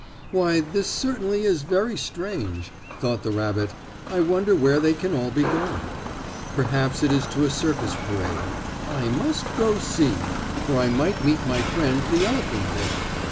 "Why, this certainly is very strange," thought the rabbit. "I wonder where they can all be going? Perhaps it is to a circus parade. I must go see, for I might meet my friend the elephant there.